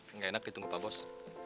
nggak enak ditunggu pak bos